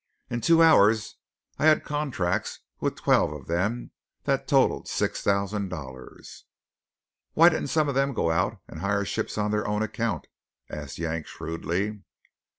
In two hours I had contracts with twelve of them that totalled six thousand dollars." "Why didn't some of them go out and hire ships on their own account?" asked Yank shrewdly.